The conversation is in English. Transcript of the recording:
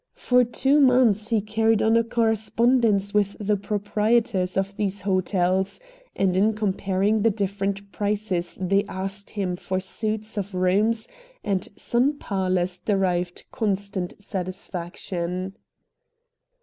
For two months he carried on a correspondence with the proprietors of these hotels; and in comparing the different prices they asked him for suites of rooms and sun parlors derived constant satisfaction.